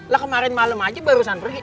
lah kemarin malam aja barusan pergi